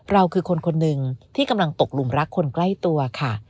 เราคือคนคนหนึ่งที่กำลังตกหลุมรักคนใกล้ตัวค่ะ